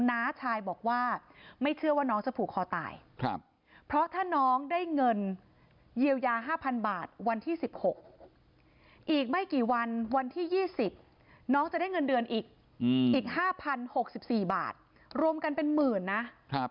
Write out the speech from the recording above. น้าชายบอกว่าไม่เชื่อว่าน้องจะผูกคอตายเพราะถ้าน้องได้เงินเยียวยา๕๐๐บาทวันที่๑๖อีกไม่กี่วันวันที่๒๐น้องจะได้เงินเดือนอีกอีก๕๐๖๔บาทรวมกันเป็นหมื่นนะ